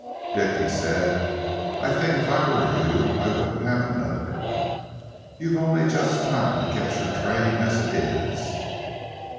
"Dick," he said, "I think if I were you I wouldn't have another. You've only just time to catch your train, as it is."